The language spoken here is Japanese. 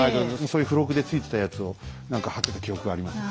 そういう付録でついてたやつを何か貼ってた記憶があります。